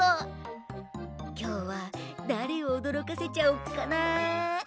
きょうはだれをおどろかせちゃおっかな。